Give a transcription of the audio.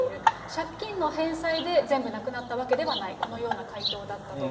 借金の返済で全部なくなったわけではない、このような回答だったと。